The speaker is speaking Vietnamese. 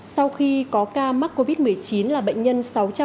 sau khi có ca mắc covid một mươi chín là bệnh nhân sáu trăm hai mươi